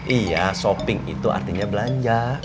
iya shopping itu artinya belanja